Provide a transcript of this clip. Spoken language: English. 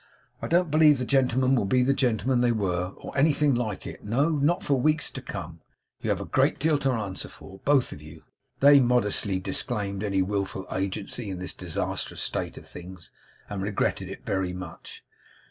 I don't believe the gentlemen will be the gentlemen they were, or anything like it no, not for weeks to come. You have a great deal to answer for, both of you.' They modestly disclaimed any wilful agency in this disastrous state of things, and regretted it very much.